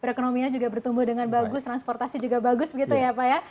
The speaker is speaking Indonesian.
perekonomian juga bertumbuh dengan bagus transportasi juga bagus begitu ya pak ya